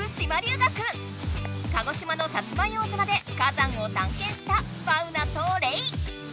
鹿児島の摩硫黄島で火山をたんけんしたマウナとレイ。